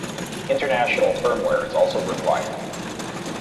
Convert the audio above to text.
International firmware is also required.